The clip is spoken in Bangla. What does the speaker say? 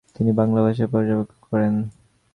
তিনি বাংলা ভাষার পক্ষাবলম্বন করেন।